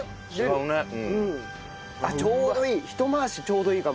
ちょうどいい。